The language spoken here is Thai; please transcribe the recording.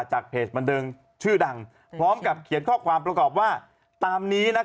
จากเพจบันเทิงชื่อดังพร้อมกับเขียนข้อความประกอบว่าตามนี้